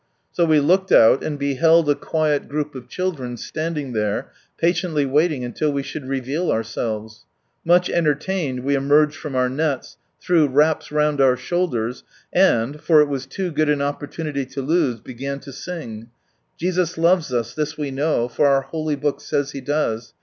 So we looked out, and beheld a quiet group of children standing there, patiently waiting until we should reveal ourselves. Much entertained we emerged from our nets, threw wraps round our shoulders, and — for it was too good an opportunity to lose —began to sing — I laves us, lliis jve tiiirui. For eur Hely Book says He does.